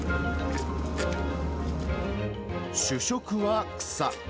主食は草。